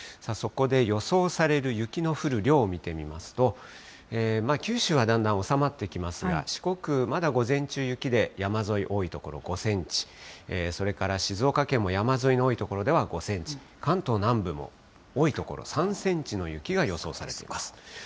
そこで予想される雪の降る量を見てみますと、九州はだんだん収まってきますが、四国、まだ午前中、雪で、山沿い、多い所５センチ、それから静岡県も山沿いの多い所では５センチ、関東南部も、多い所、３センチの雪が予想されています。